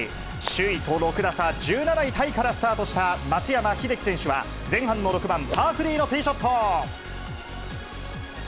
首位と６打差、１７位タイからスタートした松山英樹選手は、前半の６番、パー３のティーショット。